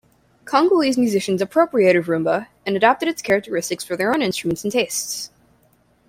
Congolese musicians appropriated rumba and adapted its characteristics for their own instruments and tastes.